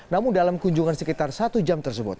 namun dalam kunjungan sekitar satu jam tersebut